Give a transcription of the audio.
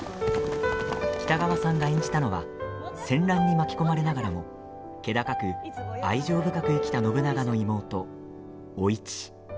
北川さんが演じたのは戦乱に巻き込まれながらも気高く、愛情深く生きた信長の妹、お市。